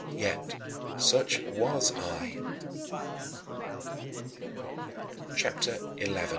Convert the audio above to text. Yet such was I. CHAPTER XI 21.